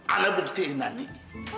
aneh buktiin aneh